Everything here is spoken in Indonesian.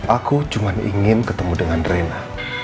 aku cuma ingin ketemu dengan rena